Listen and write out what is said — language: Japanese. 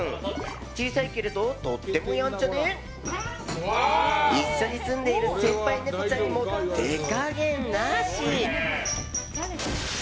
小さいけれどとってもやんちゃで一緒に住んでいる先輩ネコちゃんにも手加減なし。